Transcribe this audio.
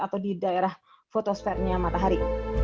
atau di daerah fotosfernya matahari